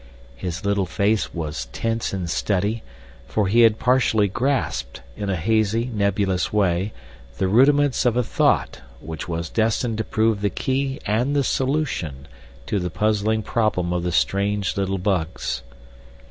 His little face was tense in study, for he had partially grasped, in a hazy, nebulous way, the rudiments of a thought which was destined to prove the key and the solution to the puzzling problem of the strange little bugs.